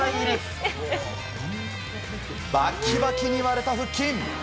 バッキバキに割れた腹筋！